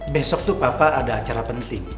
besok tuh papa ada acara penting